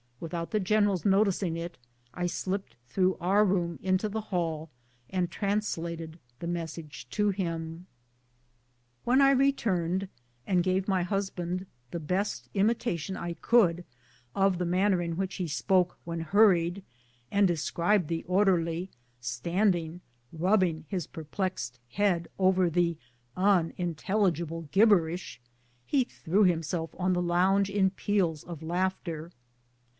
Without the general's noticing it, I slipped through our room into the hall and translated the mes sage to him. When I returned, and gave my husband the best imi tation I could of the manner in which he spoke when hurried, and described the orderly, standing, rubbing his perplexed head over the unintelligible gibberish, he threw himself on the lounge in peals of laughter.